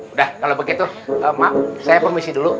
udah kalo begitu emak saya permisi dulu